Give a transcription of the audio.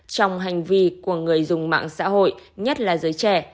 trong hành vi của người dùng mạng xã hội nhất là giới trẻ